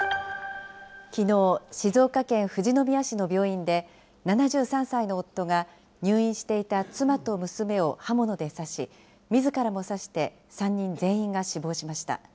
きのう、静岡県富士宮市の病院で、７３歳の夫が入院していた妻と娘を刃物で刺し、みずからも刺して、３人全員が死亡しました。